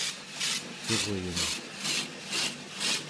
Curyung